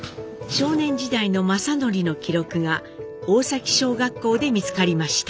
少年時代の正徳の記録が大崎小学校で見つかりました。